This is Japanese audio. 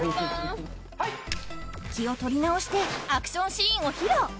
気を取り直してアクションシーンを披露！